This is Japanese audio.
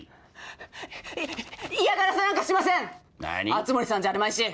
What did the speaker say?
熱護さんじゃあるまいし。